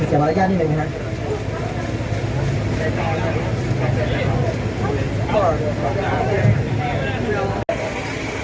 สวัสดีครับทุกคนวันนี้เกิดขึ้นทุกวันนี้นะครับ